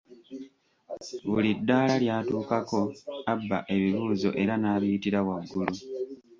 Buli ddaala lyatuukako abba ebibuuzo era nabiyitira waggulu.